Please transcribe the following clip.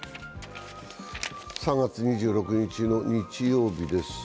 ３月２６日の日曜日です。